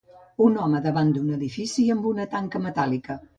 Un home davant d"un edifici amb una tanca metàl·lica.